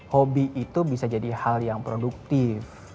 hobi itu bisa jadi hal yang produktif